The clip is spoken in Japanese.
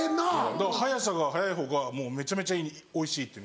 だから速さが速い方がもうめちゃめちゃおいしいっていう。